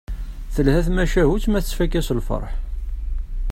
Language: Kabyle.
Telha tmacahut ma tettfakka s lferḥ.